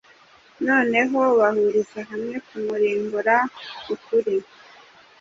noneho bahuriza hamwe kumurimbura uKuri